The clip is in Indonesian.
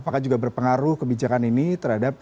apakah juga berpengaruh kebijakan ini terhadap